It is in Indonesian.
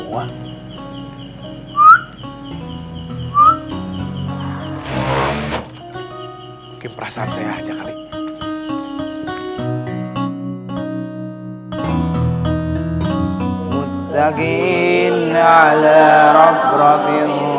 mungkin perasaan saya aja kali ini